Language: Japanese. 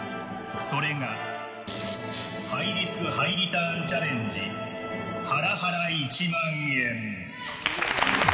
それが、ハイリスクハイリターンチャレンジハラハラ１万円。